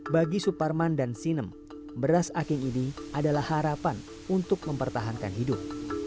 bagi suparman dan sinem beras aking ini adalah harapan untuk mempertahankan hidup